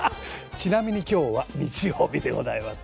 ちなみに今日は日曜日でございます。